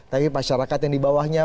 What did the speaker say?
tapi masyarakat yang di bawahnya